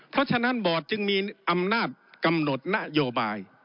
เพราะฉะนั้นบอร์ดจึงมีอำนาจกำหนดนโยบาย